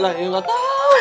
lah gue gak tau